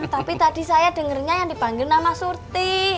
tapi tadi saya dengarnya yang dipanggil nama surti